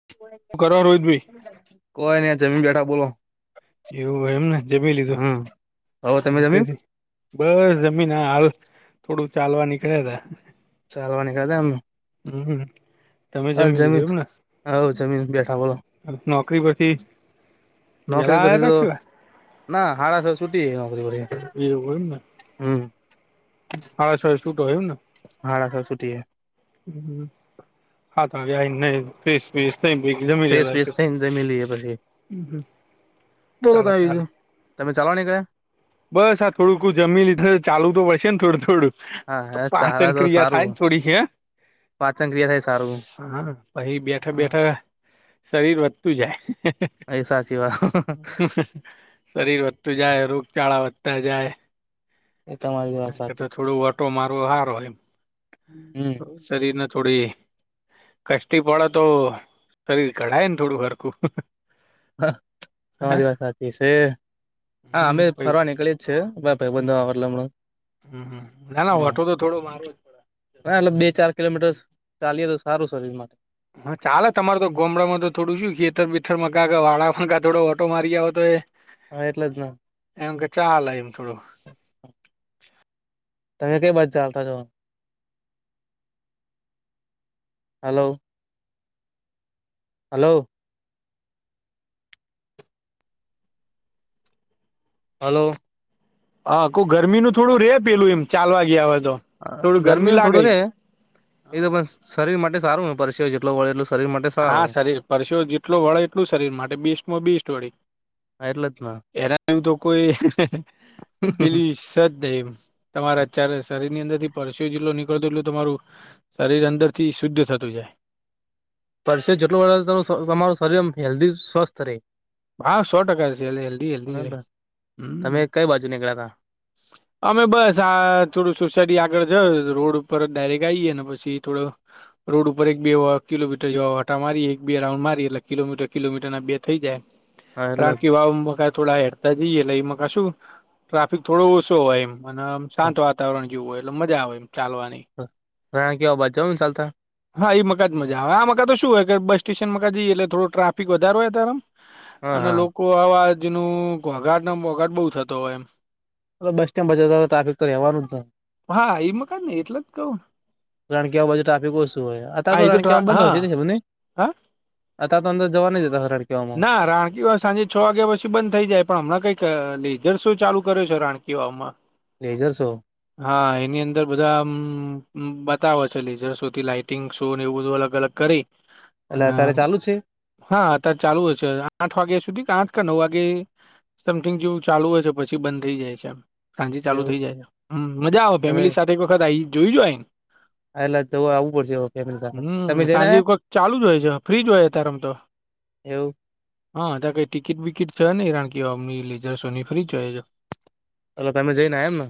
[unintelligible] હૂ કરો રોહિત ભઈ કોઈ નહી જમીન બેઠા બોલો. એવું હે એમને જમી લીધું હમ હવે તમે જમીન નોકરીથી. બસ જમીન હાલ થોડું ચાલવા નીકળ્યા તા ચાલવા નીકળ્યાતા આમ. હમ્મ. હા જમીન હવ જમીન બેઠા બોલો. નોકરી પરથી વેલા નોકરી પરછથી આવ્યા તો ત શું ના હાડા સ સુટીએ નોકરી પર હમ્મ. હાડા સ એ સૂતો એમન હાડા સ સુટીએ હમ્મ આકા [unintelligible] ત્રીસ વિસ નઈ એકદમ ફ્રેશ બેશ થઈને જમી લઈએ પછી [unintelligible] બોલો તમે બીજું તમે ચાલવા નીકળ્યા? બસ આ થોડુંક જમીન લીધું ચાલવું તો પડશે ન થોડું થોડું. હા તો હે ચાલે પાચન તો ક્રિયા થાય ને સારું થોડીક હે. પાચન ક્રિયા થાય સારું હા પહી બેઠે હા બેઠે શરીર વધતું જાય. એ સાચી વાત શરીર વધતું જાય, રોગચાળા વધતા જાય એ તમારી વાત એના સાચી કરતાં થોડું વર્ક ટો મારવો હારો એમ હમ તો શરીરને થોડી કસ્ટી પડે તો શરીર ઘડાય ને થોડું હરખું. હા હે તમારી વાત સાચી છે. હા અમે હમ હમ ફરવા નીકળી જ છીએ માર ભાઈબંધો [unintelligible] હમ હમ ના ના ઓટો તો થોડો મારવો જ પડે ના એટલે બે ચાર કિલોમીટર ચાલીએ તો સારું શરીર માટે. હા ચાલે. તમાર તો ગોમડામાં તો થોડું શું ખેતર બેતરમાં કાંક વાળામાં કા થોડો ઓટો મારી આવે તોય હા એટલે જ ના. એમ કે ચાલે એમ થોડો. તમે કઈ બાજુ ચાલતા જોહો? હલો હલો હલો હા કહું ગરમીનું થોડું રે પેલું એમ ચાલવા ગયા હોય તો. હા થોડું ગરમી ગરમીમાં લાગે થોડું એમ રે એતો પણ શરીર માટે સારું પરશેવો જેટલો વળે એટલું. શરીર માટે હા સારું શરીર પરસેવો જેટલો વળે એટલું શરીર માટે બેસ્ટ માં બેસ્ટ વળી. હા એટલે જ ના એનામાં તો કોઈ પેલી સેજ નહીં એમ. તમારે અત્યારે શરીરની અંદરથી પરસેવો જેટલો નીકળતો એટલું તમારું શરીર અંદરથી શુદ્ધ થતું જાય. પરસેવો જેટલો વળે એટલું તમારું શરીર આમ હેલ્ધી સ્વસ્થ રહે. હા સો ટકા છે એટલે હેલ્ધી હેલ્ધી હાજ છે ને. તમે હમ કઈ બાજુ નીકળ્યા તા? [inaudible] અમે બસ આ થોડું સોસાયટી આગળ જઈ રોડ ઉપર ડાયરેક્ટ આવીએ ને પછી થોડો રોડ ઉપર એક બે કિલોમીટર જેવા ઓટા મારીએ એક બે રાઉન્ડ મારી એટલે કિલોમીટર કિલોમીટર ના બે થઈ જાય. હા એટલે રાણકી વાવમાં કાય થોડા હેડતા જઈએ એટલે એમાં કશું થોડો ઓછો હોય એમ અનેમ શાંત વાતાવરણ જેવું હોય એટલે મજા આવે એમ ચાલવાની. હહ રાણકીવાવ બચાવ ને ચાલતા હા એ મકાજ મજા આવે આ મકા તો શું હોય કે બસ સ્ટેશન મકા જઈએ એટલે થોડો ટ્રાફિક વધારે હોય ત્યારે આમ હા અને હા લોકો આવાજનું ઘોંઘાટને બોઘાટ બહુ થતો હોય એમ. હવે બસ સ્ટેન્ડ બાજુ ટ્રાફિક તો રહેવાનું જ ને. હા એ મકાન ને એટલે જ કહું રાણકીવાવ બાજુ ટ્રાફિક ઓછું હોય અતાર હા એ તો રાણકી ટ્રા વાવ બંધ હા હશે લગભગ નહીં? હા અતાર તો અંદર જવા નહિ દેતા રાણક ના રાણકીવાવ સાંજે છ વાગ્યા પછી બંધ થઈ જાય પણ હમણાં કંઈક લેઝર સો ચાલુ કર્યો છે રાણકી વાવમાં. Laser show? હા એની અંદર બધા આમ બતાવે છે લેઝર શો થી લાઈટ ટિંગ શો ને એવું બધું અલગ અલગ કરી એટલે અને અત્યારે ચાલુ છે હા અત્યારે ચાલુ હોય છે. આઠ વાગ્યા સુધી કે આઠ કે નવ વાગે સમથિંગ જેવું ચાલુ હોય છે પછી બંધ થઈ જાય છે એમ. સાંજે ચાલુ થઇ એવું જાય છે. હમ મજા આવે તમે ફેમિલી સાથે એક વખત આઈ જોઈ જાવ આઈ હા, એટલે જવું આવવું પડશે હવે ફેમિલી સાથે હમ તમે જઈને સાંજે એક આયા વખ ચાલુ જ હોય છે, ફ્રીજ હોય અત્યારે એમ તો. એવું હા તા કઈ ટિકિટ બિકિટ છે નઈ કારણ કે કમની લેઝર સોની ફ્રી જાય એટલે તમે જઈને એમને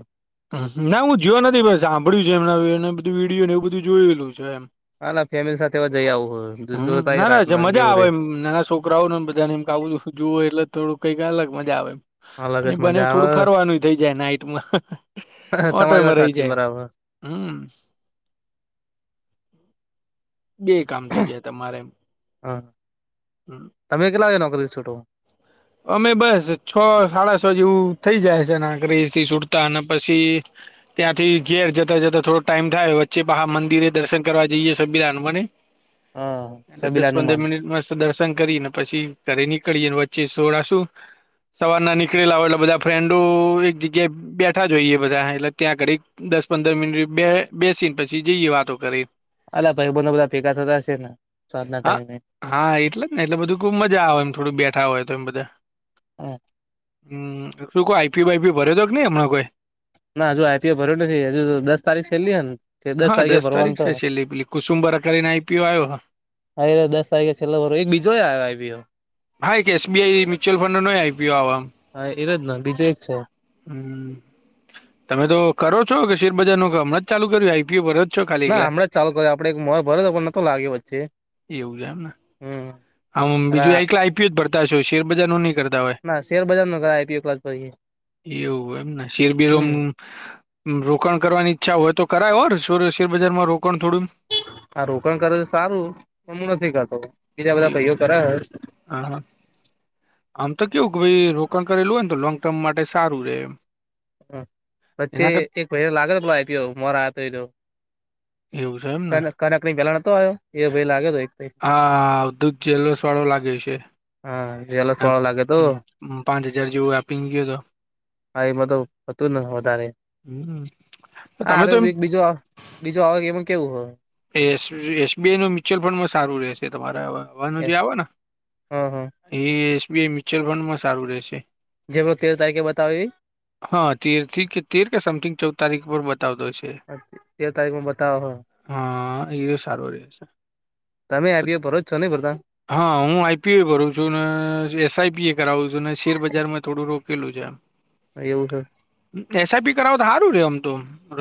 ના હું જોયો નથી ભ સાંભળ્યું છે એમ બધું વિડીયો ને એવું બધું જોયેલું છે એમ હા ના ફેમિલી સાથે હવે જઈ આવું જો હમ ના ના રાત જે નથી મજા કેવું આવે રે એમ નાના છોકરાઓ ને બધાને એમ કે આવું બધું જોવું એટલે થોડું કઈક અલગ મજા આવે એમ અલગ અને જ બને મજા આવે થોડું ફરવાનું થઇ જાય નાઈટમાં તમારી ઓટોયમાં વાત રહી સાચી જાય એમ બરાબર હમ્મ બે કામ થઇ જાય તમારે હા હમ્મ તમે કેટલા વાગે નોકરીથી છૂટો અમે બસ છ સાડા છ જેવું થઈ જાય છે નાકરી થી જુતા અને પછી ત્યાંથી ઘેર જતા જતા થોડો ટાઈમ થાય વચ્ચે પાહા મંદિરે દર્શન કરવા જઈએ [unintelligible] હા એટલે દસ સબીલાનું પંદર માન મિનિટ મસ્ત દર્શન કરીને પછી ઘરે ની નીકળએ વચ્ચે સોડા શું સવાર ના નીકળેલા હોય એટલે બધા ફ્રેન્ડો એક જગ્યાએ બેઠા જોઈએ બધા એટલે ત્યાં કરી દસ પંદર મિનિટ બે બેસીયે પછી જઈએ વાતો કરી અલા ભાઈબંનધો બધા ભેગા થતા હશે ને સાંજ ના હા ટાઈમે હા એટલે જ ને એટલે બધું ખુબ મજા આવે એમ થોડુ બેઠા હોય તો એમ બધા [inaudible] હમ્મ શું કોઈ આઈપીઓ બાઈપીઈ ભરેયો કે ની હમણાં કોઈ ના હજુ આઈપીઓ ભરયો નઈ હજુ દસ તારીખ છેલ્લી હ ને તે હા તારીખે દસ ભરવાનું તારીખ તો શે છેલ્લી પેલી કુસુમબરકાર ને આઈપીયો આવ્યો હ અ દસ તારીખે છેલ્લો ભર્યો એક બીજો આયો આઈ પી ઓ હા કે એસબીઆઈ મ્યુચુલ ફંડ નો આઈ પી ઓ આવા હા એરોજ ન બીજું એક છે હમ્મ તમે તો કરો છો કે શેર બજાર નુ કામ કે હમણાં ચાલુ કર્યું આઈપીઓ પરત ના હમણાં જ ચાલુ કરયુ આપડે એક ભર્યો તો પણ નથી લાગયો વચ્ચે એમ ને હમ હમ્મ બીજું એલા આઈપીઓ જ ભરતા છો શેર બજાર નું ની કરતા હોય ના શેર બજાર નો કરાય આઈપીઓ ક્લાસ પછી એવું એમને શેરબીર હમ રોકાણ કરવાની ઈચ્છા હોય તો કરાય હો શેરબજારમાં રોકાણ થોડું આ રોકાણ કરે છે સારું પણ હું નથી કરતો બીજા બધા એવું ભયો કરવે હા આમ તો કેવું કે ભાઈ રોકાણ કરેલું હોય ને તો લોંગ ટર્મ માટે સારું રે એમ વચ્ચે એના કર એક ભાઈને લાગેલો મારા હાથે હો એવું છે એમને ની પેલા નતો આવ્યો એ ભાઈ લાગે તો એક ભાઈ. હા આવતું જેલસ વાળો લાગે છે. હા એલા આમ સોળ લાગે હમ તું પાંચ હજાર જેવું આપીંગ ગયલો હા એમાં તોતું જ ને વધારે હમ હા તમે રે તો એમ બીજું બીજું આવે એમ કેવું હોય એ એસબીઆઈ નો મ્યુચ્યુઅલ ફંડ માં સારું રહેશે તમારા હવાનું જે આવે ને હ હ એ એસબીઆઈ મ્યુચ્યુઅલ ફંડ માં સારું રહે છે જે ભ તેર તારીખે બતાવે ઈ હા તેર થી કે તેર કે સમથિંગ ચૌદ તારીખ પર બતાવતો છે. તેર તારીખમાં બતાવો હ હા એ સારો રહેશે તમે આપી ભરોચ છો ને બધા હા હું આઈપીએ કરું છું ને એસઆઈપી એ કરાવું છું ને શેર બજાર માં થોડું રોકેલું છે. એવું છે એસઆઈપી કરાવ તો હારું રે ઓમ તો ર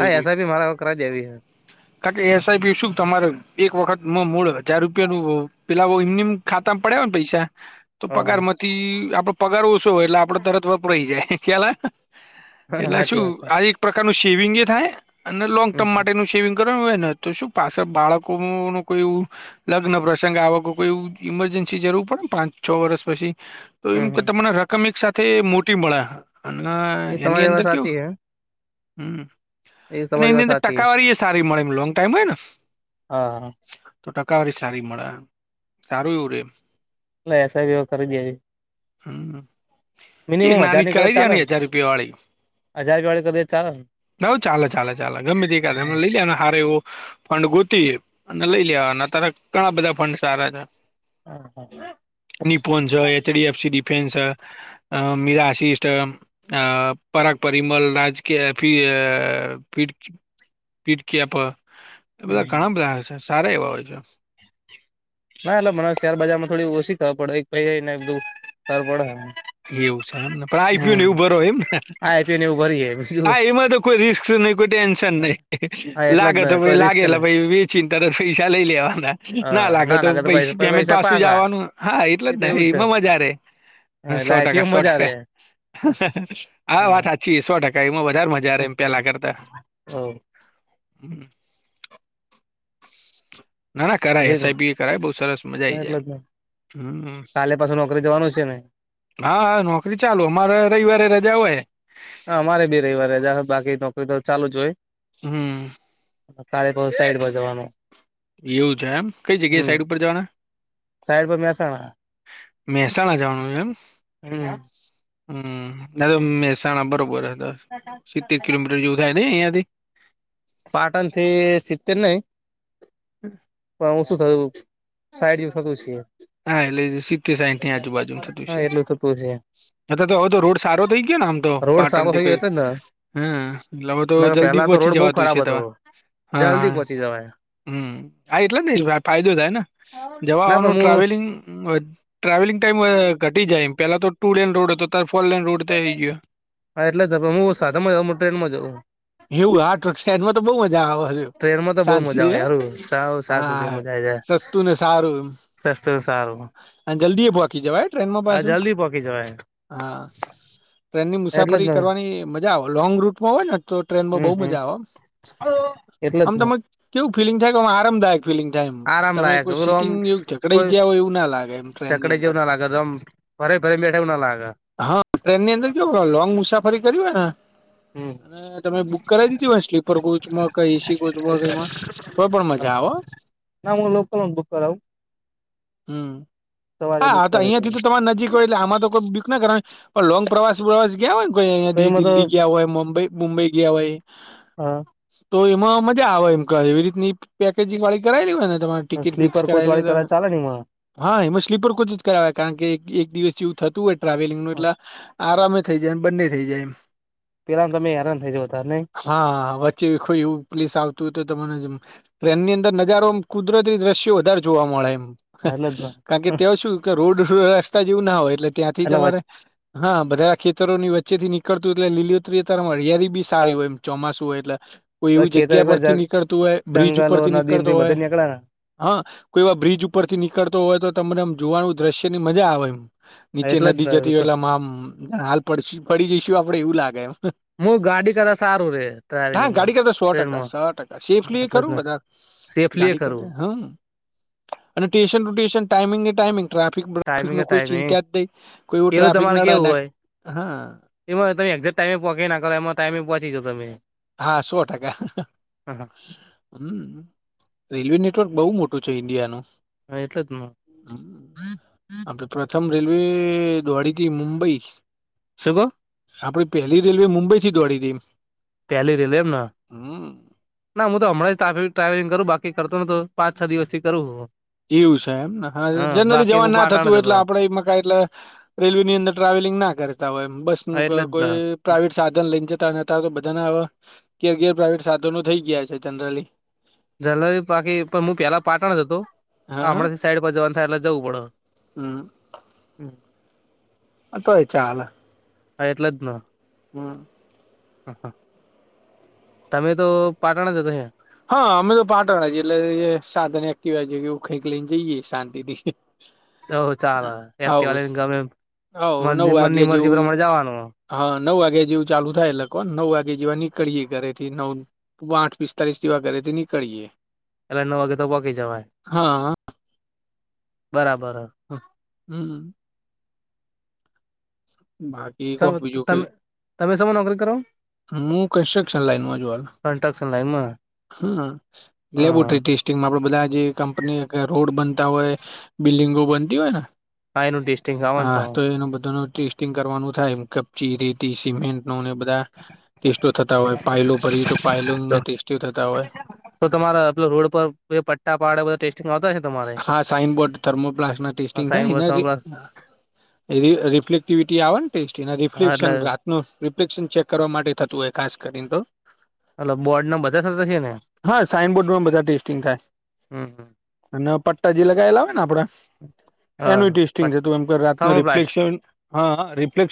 કરા દેહી હ કાકે એસઆઈપી શું તમારે એક વખતમાં મૂળ મૂળ હજાર રૂપિયાનું પેલા ઓ એમનેમ ખાતામાં પડ્યા હો ને પૈસા તો હા પગાર માંથી આપડે પગાર ઓછો હોય એટલે આપડે તરત વપરાઈ જાય ખ્યાલા હા એટલે સાચી શું વાત છે આજ પ્રકારનું સેવિંગ એ થાય અને લોંગ હમ ટર્મ હમ માટેનું સેવિંગ કરયું હોય ને તો શું પાછા બાળકો ન કોઈ એવું લગ્ન પ્રસંગે આવકો કોઈ એવું ઈમરજન્સી જરૂર પડે ને પાંચ છ વર્ષ પછી તો એમ હમ કે હમ તમને રકમ એક સાથે મોટી મળે અને એ એની તમારી વાત અંદર કેવું સાચી હે હમ એ અને તમારી એની વાત અંદર સાચી હે ટકાવારી સારી મળે એ લોંગ ટાઈમ હોય ને હા તો ટકાવારી સારી મળે સારું એવું રે લ એસા બિવ કરી દે હઈ. હમ એક હજાર નાની ની કરે કી દયા ચાલે અને ને હજાર રૂપિયા વાળી હજાર ક વળે ક દે ચાલ નવ ચાલે ચાલે ચાલે ગમે ત એમ લઈ લેને હારે એવું ફંડ ગોતી અને લઈ લેવા અત્યારે ઘણા બધા ફંડ સારા છે. હા હા નિપોન્સ એચડી એફસી ડિફેન્સ અ મિરાસિસ્ટ અ પરા પરિમલ રાજ કે ફ ફર પીપ કે પલઅ બધા હમ ઘણા બધા છે સારા એવા હોય છે. ના એટલે મને શેરબજાર માં થોડી ઓછી ખબર પડે પ ને ખર પડે એવું છે એમ ને પણ આઈપયુ ને એવું બરો એમ ને હા આપી નીવ એવું ભરી બીજું હા એમાં તો કોઈ રિસ્ક નઈ કોઈ ટેન્શન નહી હા એટલે જ ને લાગત ભ કોઈ રિસ્ક લાગેલા નહી ભાઈ ચિંતા ર પૈસા લઈ લેવાના ના લાગે તો પૈસા પેમેન્ટ પાછું જવાનું હા એટલે એ જ તો ને એવું છે એમાં મજા રે એટલે સો આઈપીઓ ટકા સો મજા રે ટકા આ વાત હમ હાચી સો ટકા એમાં બ વધારે મજા ર એમ પેલા કરતા હમ ના ના કરાય પછી એસઆઈપી કરાય બહુ સરસ મજા આઈ જાય એટલે એમ જ હમ કાલે પાછું નોકરી જવાનું છે ને હા હા નોકરી ચાલુ અમારે રવિવારે રજા હોય હા મારે બી રવિવારે રજા બાકી નોકરી તો ચાલુ જ હોય. હમ. અત્યારે તો સાઈડમાં જવાનું એવું છે એમ કઈ જગ્યાએ હમ સાઈડ ઉપર જવાના સાઈડ પર મહેસાણા મહેસાણા જવાનું એમ હમ હમ ના તો મહેસાણા બરોબર હ સિત્તેર કિલોમીટર જેવું થાય ને અહિયાં થી પાટણથી શીતેર નહી [inaudible] પણ હ શું થયું, સાઈડ જેવું થત છ. હા એટલેઈ સિત્તે સાઈઠ ની આજુબાજુ ન થતું હા છે. એટલું થતું છે અ તો હવે તો રોડ સારો થઇ ગયો ને આમ તો રોડ પાટણ સારો થી થયો કઈક. એટલે જ હમ એટલે હ તો ને જલ્દી પેલા તો પહોંચી રોડ બહુ જવાતું છે ખરાબ ત, હતો હા જલ્દી હા. પહોંચી જવાય હમ આ એટલે નઈ ફાયદો થાય ને, ના જવાનું પણ ટ્રાવેલ હું ટ્રાવેલિંગ ટાઈમ ઘટી જાય એમ પેલા તો ટુડેન રોડ હતો. તાર ફોર લન રોડ થઈ ગયો. હા એટલે હું સાથે જં ટ્રેન માં જઉં. એવું આ ટ્રક શડમાં તો બઉુ મજા આવે છે. ટ્રેનમાં તો બહુ સાંત શ મજા ર આવે યારું સાવ સાંજ હા, સસ્તું ને સારું એમ. શ્રેસ્ટ સારું. અને જલ્દી એ ભોકી જવાય ટ્રેનમાં આ પાછું, જલ્દી પોકી જવાય હા. ટ્રેનની એટલે જ મુસાફરી ને કરવાની મજા આવે લોંગ રૂટમાં હોય ને તો ટ્રેનમાં બહુ હમ હમ મજા આવે. એટલે આમ જ ન તમે કેવું ફિલિંગ થાય કે આરામદાયક ફીલિંગ થાય એમ આરામ તમે લાયક કો ઓલું આમ સીટિંગ એવું. જકડાઈ કોઈ ગયા હોય એવું ના લાગે એમ ટ્રેનની ચકડી અંદર જેવું ના લાગે એકમ ભરે ભરે બેઠા એવું ના લાગે. હા ટ્રેન ની અંદર કેવ લોંગ મુસાફરી કર હોય ને. હમ અને તમે બુક કરાવી દીધી હો સ્લીપર કોચમાંઈ એસી કોચમાં કઈમાં. તોઈ પણ હા મજા આવે. ના હું લોકલ ઓ બુક કરાવું. હમ સવારે બુક હાા તો કરે અહિયાં થી તો તમાર નજીક હોય એટલે આમાં તો કોઈ બુક ના કરવાની, પણ લોંગ પ્રવાસ વા ગયા હોય ને કોઈ અહયા એમાં તો દિલ્હી ગયા હોયબઈ મુંબઈ ગયા હોય. હ તો એમાં મજા આવે એમ ક એવી રીતની પેકેજિંગ વાળી કરાવેલી હોય ને તમારે ટિકિટ ફિક્સ સ્લીપર કોચ કરાવેલી હોય. [unintelligible] હા એમાં સ્લીપર કોચ જ કરાવે કારણ કે એક દિવસ જેવું થતું હોય ટ્રાવેલિંગનુ એટલે, આરામ થઈ જાય એમ બંને થઈ જાય એમ. પેલા તો તમે હેરાન થઈ જાવ ત ન. હા વચ્ચે કોઈ એવું પલીસ આવતું હોય તો ત મને. એમની અંદર નજારો એમ કુદરતી દ્રશ્યો વધારે જોવા મળે એમ. એટલે જ કારણ કે તેઓ શું કે રોડ રસ્તા જેવું ના હોય એટલે ત્યાંથી એટલે તમારે હા બધારેા ખેતરોની વચ્ચેથી નીકળતું એટલે લીલીલોત અત્યારે હળિયાળી બી સારી હોય એમ ચોમાસું હોય એટલે. કોઈ એવી ખેતર જગ્યા પરથી એટલે નીકળતું હોય બ્રિજ જંગલો ઉપરથી નીકળતો નદીથી બધે હોય. નીકળે ને હા, કોઈ એવા બ્રિજ ઉપર થી નીકળતો હોય તો તમનેમ જોવાનું દ્રશ્ય ની મજા આવે એમ. નીચે એટલે નદી જતી હો જ એટલે મામ હાલ પડ પડી જઈશું આપડે એવું લાગે એમ. હું ગાડી કરતા સારું રે હા ટ્રાવેલિંગમાં ગાડી કરતા સો ટકા ટ્રેનમાં સો ટકા સેફલી એટલે જ કરું ને બધા. સેફલી એ ગાડી કરવું કરતા હમ. અને ટ્યુશન ટુ ટ્યશન ટાઈમિંગ એ ટાઈમિંગ. ટ્રાફિક બ્રાફિક ન ટાઈમિંગ કોઈ ટાઈમિંગ ચિંતા જ નઈ, કોઈ એવું પેલું ટ્રાફિક તમારે કેવું નાડને હોય હા. એમાં તમે એક્ઝેક ટાઈમેહ ના કરો એમાં ટાઈમે પહોચી જો તમે. હા સો ટકા. હમ, રેલવે નેટવર્ક બહ મોટું છે ઈન્ડિયા ન. હા એટલે જ ન હમ. આપડે પ્રથમ રેલવે દ્વાળીથી મુંબઈ. શું કહે? આપડીે પેલી રેલવે મુંબઈ થી દોડી હતી એમ. પેલી રેલીમાં હમ ના હું તો હમણાં ટાવે ટ્રાવેલિંગ કરું બાકી કરતો તો પાંચ છ દિવસથી કરું એવું છે એમને હા જનરલી બાકી હું જવાનું ના થતું પાટણ જ હોય હતો એટલે આપડે એમાં કા એટલે રેલવે ની અંદર ટ્રાવેલિંગ ના કરતા હોય બસ હા નુંકો એટલે જ ને. કોઈ પ્રાઇવેટ સાધન લઈને જતા તો બધાના હવે ઘેર ઘેર પ્રાવેટ સાધનો થઈ ગયા છે જનરલી જનરલી બાકી પણ હું પેલા પાટણ જ હતો હા હમણાંથી સાઈડ પર જવાનું થાય એટલે જવું પડે હમ્મ હમ અ તોય ચાલે હા એટલે જ ન હ હા હા તમે તો પાટણ [unintelligible] હા અમે તો પાટણ રહીએ એટલે સાધન એકટીવા કે એવું કંઈ લઈને જઈએ શાંતિ થી હ ચાલો એક્ટીવા લઈ ગમે એમ હવ મન નવ મનની વાગ્યા મરજી જેવું પ્રમાણે જવાનું હા નવ વાગ્યા જેવું ચાલુ થાય એટલે કોન નવ વાગે જેવા નીકળીએે ઘરે થી નવ આઠ પિસ્તાલીસ જેવા ઘરેથી નીકળી યે એટલે નવ વાગે તો પોંકી જવાય હા બરાબર હમ્મ બાકી કો સમ બીજું તમે કઈ તમે સેમાં નોકરી કરો હું કન્સ્ટ્રક્શન લાઈનમાં જો કન્સ્ટ્રક્શન લાઈનમાં હ હા હા લેબોટરીટેસ્ટ આપડે બધા જે કંપની આગળ રોડ બનતા હોય બિલ્ડિંગો બનતી હોય ને હા એનું ટેસ્ટિંગ આવવાનું હા પાહું. તો એનું બધા નુ ટેસ્ટિંગ કરવાનું થાય કપચી રેતી સિમેન્ટ બધા ટેસ્ટો થતા હોય ફાઇલો ભર્યું તો તો ફાઇલોને ટેસ્ટી થતા હોય તો તમારા રોડ પર બે પટ્ટા પાડે બધાં ટેસ્ટ [unintelligible] તમારે હા સાઈનબોર્ડ થર્મોપ્લાસ્ટ ના ટેસ્ટિંગ સાઈન થાય બોર્ડ એનાથી રિફ્લેક્ટિવિટી આવે ને ટેસ્ટી હા એટલે રિફ્લેક્શન [unintelligible] રિપ્લેક્શન ચેક કરવા માટે થતું હોય ખાસ કરીને તો એટલે બોર્ડ ના બધા થતા છે ને હા સાઈનબોર્ડમાં બધા ટેસ્ટિંગ થાય હમ હમ અને પટ્ટા જે લગાવેલા હોય ને આપડે હા એનું ટેસ્ટિંગ થતું હોય એમ રાત પથ્થર નુ નું પ્લાસ્ટર રિફ્લેશન હા રિફ્લેક્સેન